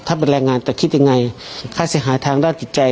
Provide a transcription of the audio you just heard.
ถ้าเป็นแรงงานจะคิดยังไงค่าเสียหายทางด้านจิตใจ